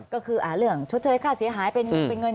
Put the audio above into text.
ก็คือเรื่องชดเชยค่าเสียหายเป็นเงิน